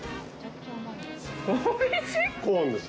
おいしい！